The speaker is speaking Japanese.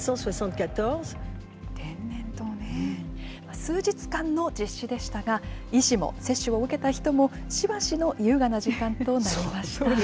数日間の実施でしたが、医師も接種を受けた人も、しばしの優雅な時間となりました。